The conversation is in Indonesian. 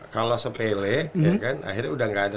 kalau sepele akhirnya udah nggak ada